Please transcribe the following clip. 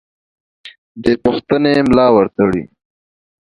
بې پوښتنې ملا ورتړي.